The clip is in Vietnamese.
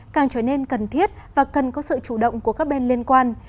càng trở nên cần thiết và cần có sự chủ động của các bên liên quan